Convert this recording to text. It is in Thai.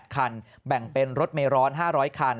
คันแบ่งเป็นรถเมร้อน๕๐๐คัน